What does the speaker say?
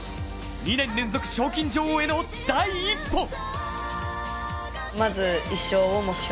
２年連続賞金女王への第１歩！